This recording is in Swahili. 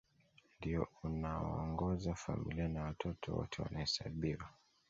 Ndio unaoongoza familia na watoto wote wanahesabiwa